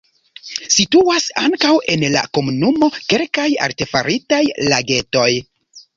Situas ankaŭ en la komunumo kelkaj artefaritaj lagetoj.